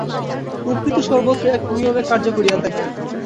প্রকৃতি সর্বত্র এক নিয়মে কার্য করিয়া থাকে।